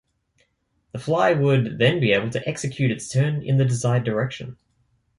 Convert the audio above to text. The fly would then be able to execute its turn in the desired direction.